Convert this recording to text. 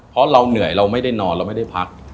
เพราะเราเหนื่อยเราไม่ได้นอนเราไม่ได้พัก